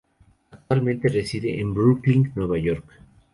Actualmente reside en Brooklyn, Nueva York.